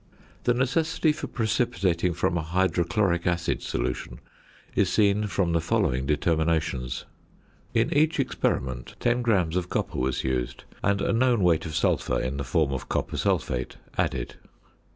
The necessity for precipitating from a hydrochloric acid solution is seen from the following determinations. In each experiment 10 grams of copper was used, and a known weight of sulphur, in the form of copper sulphate, added.